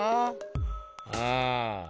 うん。